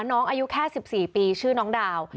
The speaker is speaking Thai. น้องอายุแค่๑๔ปีชื่อน้องดาว